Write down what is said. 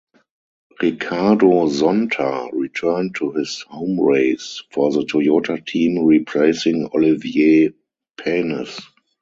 Ricardo Zonta returned to his home race for the Toyota team, replacing Olivier Panis.